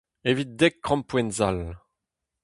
Evit dek krampouezhenn sall.